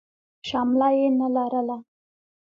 شمله يې نه لرله.